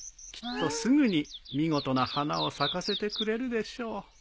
きっとすぐに見事な花を咲かせてくれるでしょう。